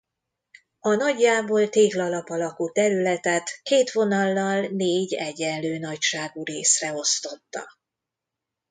A nagyjából téglalap alakú területet két vonallal négy egyenlő nagyságú részre osztotta.